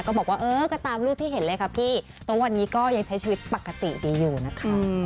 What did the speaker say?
บอกว่าเออก็ตามรูปที่เห็นเลยค่ะพี่ตรงวันนี้ก็ยังใช้ชีวิตปกติดีอยู่นะคะ